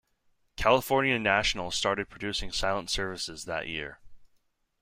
California National started producing Silent Services that year.